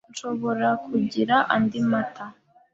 Nshobora kugira andi mata?